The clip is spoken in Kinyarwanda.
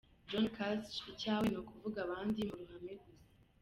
John Kasich icyawe ni ukuvuga abandi mu ruhame gusa.